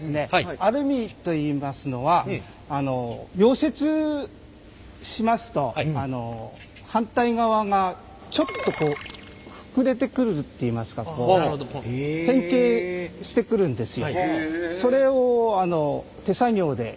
アルミといいますのは溶接しますと反対側がちょっとこう膨れてくるっていいますか変形してくるんですよ。